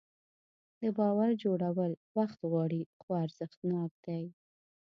د باور جوړول وخت غواړي خو ارزښتناک دی.